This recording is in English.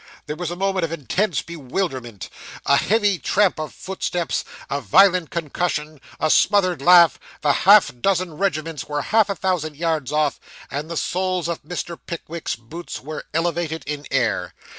There was a moment of intense bewilderment, a heavy tramp of footsteps, a violent concussion, a smothered laugh; the half dozen regiments were half a thousand yards off, and the soles of Mr. Pickwick's boots were elevated in air.